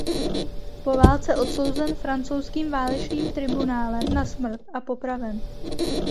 Po válce odsouzen francouzským válečným tribunálem na smrt a popraven.